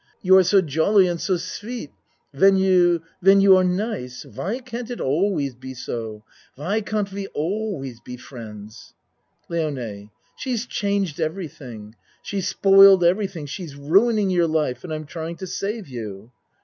You are so jolly and so sweet when you when you are nice. Why can't it always be so? Why can't we always be friends ? LIONE She's changed everything. She's spoiled everything. She's ruining your life and I'm try ing to save you.